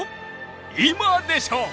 今でしょ